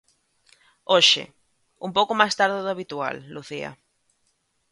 Hoxe, un pouco máis tarde do habitual, Lucía.